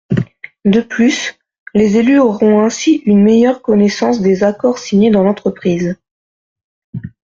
De plus, les élus auront ainsi une meilleure connaissance des accords signés dans l’entreprise.